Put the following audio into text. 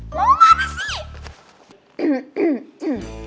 mau mana sih